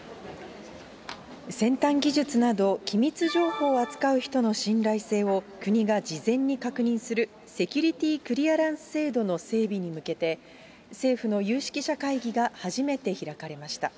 先端技術など、機密情報を扱う人の信頼性を国が事前に確認する、セキュリティー・クリアランス制度の整備に向けて、政府の有識者会議が初めて開かれました。